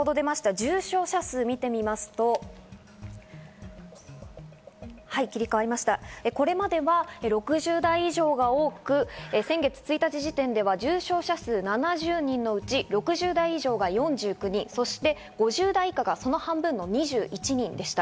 重症者数を見てみますと、これまでは６０代以上が多く、先月１日時点では重症者数７０人のうち、６０代以上が４９人、５０代以下がその半分の２１人でした。